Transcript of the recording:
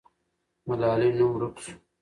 ملالۍ نوم ورک سو.